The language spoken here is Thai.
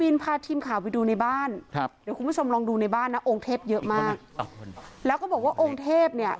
คุณปุ้ยอายุ๓๒นางความร้องไห้พูดคนเดี๋ยว